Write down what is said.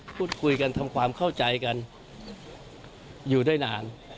พูดคุยกันทำความเข้าใจกันอยู่ได้นาน